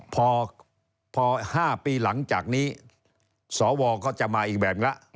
พอ๕ปีหลังจากนี้สวก็จะมาอีกแบบละ